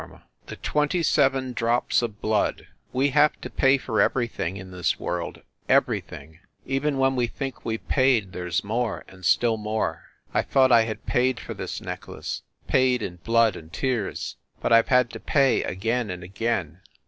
126 FIND THE WOMAN THE TWENTY SEVEN DROPS OF BLOOD We have to pay for everything, in this world, everything. Even when we think we ve paid, there s more, and still more. I thought I had paid for this necklace, paid in blood and tears ; but I ve had to pay again and again.